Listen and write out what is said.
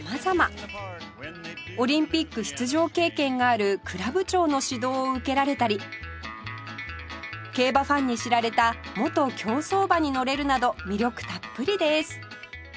オリンピック出場経験がある倶楽部長の指導を受けられたり競馬ファンに知られた元競走馬に乗れるなど魅力たっぷりです